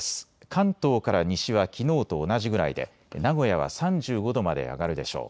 関東から西はきのうと同じぐらいで名古屋は３５度まで上がるでしょう。